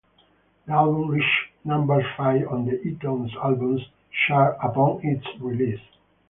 The album reached number five on the iTunes albums chart upon its release.